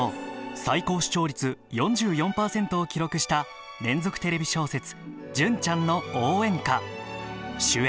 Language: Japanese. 最高視聴率４４％を記録した連続テレビ小説「純ちゃんの応援歌」